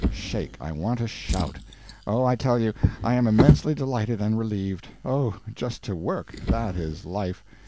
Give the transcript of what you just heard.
"Shake! I want to shout! Oh, I tell you, I am immensely delighted and relieved. Oh, just to work—that is life!